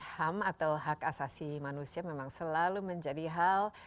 ham atau hak asasi manusia memang selalu menjadi hal